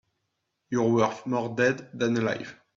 You're worth more dead than alive.